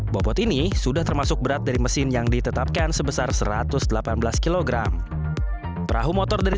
bobot ini sudah termasuk berat dari mesin yang ditetapkan sebesar satu ratus delapan belas kg perahu motor dari